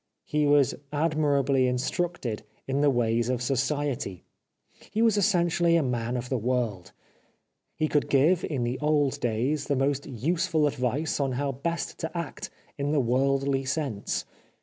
He was admirably instructed in the ways of 407 The Life of Oscar Wilde society : he was essentially a man of the world. He could give, in the old days, the most useful advice on how best to act in the worldly sense.